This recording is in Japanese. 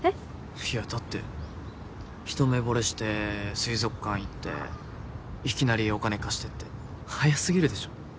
いやだって一目ぼれして水族館行っていきなり「お金貸して」って早すぎるでしょ？